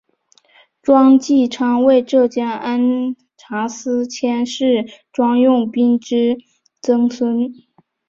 庄际昌为浙江按察司佥事庄用宾之曾孙。